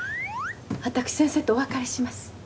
私先生とお別れします。